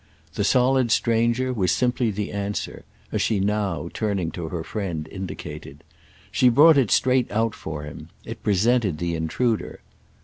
The solid stranger was simply the answer—as she now, turning to her friend, indicated. She brought it straight out for him—it presented the intruder.